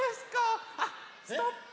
あっストップ。